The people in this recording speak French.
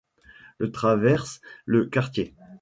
Le traverse le quartier.